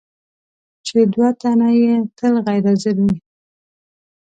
چې دوه تنه یې تل غیر حاضر وي.